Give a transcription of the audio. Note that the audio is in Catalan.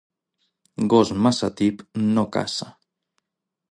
Gos massa tip no caça.